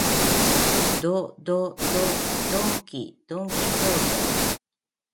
ど、ど、ど、ドンキ、ドンキホーテ